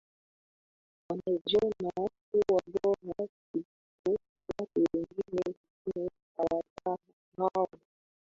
wanajiona kuwa bora kuliko watu wengine lakini hawadharau